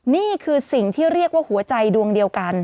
นี่คือสิ่งที่เรียกว่าหัวใจดวงเดียวกัน